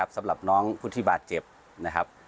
สำหรับน้องผู้ที่บาดเจ็บ